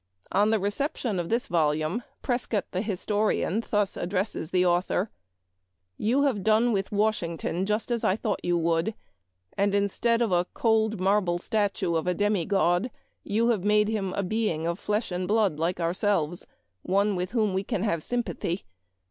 On the reception of this volume Prescott, the historian, thus addresses the author :" You have done with Washington just as I thought you would ; and, instead of a cold marble statue of a demi god, you have made him a being of flesh and blood like ourselves — one with whom we can have sympathy.